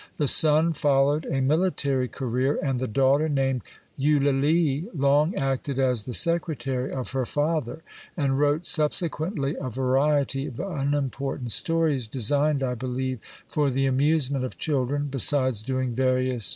The son followed a military career, and the daughter, named Eulalie, long acted as the secretary of her father, and wrote subsequently a variety of unimportant stories designed, I believe, for the amusement of children, besides doing various journalistic work.